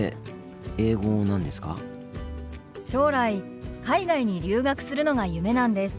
将来海外に留学するのが夢なんです。